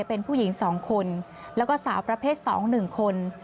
เป็นผู้หญิง๒คนแล้วก็สาวประเภท๒๑คน